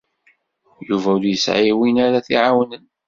Yuba ur yesɛi win ara t-iɛawnen.